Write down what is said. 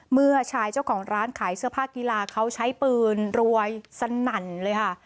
เมื่อชายเจ้าของร้านขายเสื้อผ้ากีฬาเขาใช้ปืนรัวสนั่นเลยค่ะ